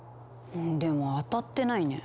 うんでも当たってないね。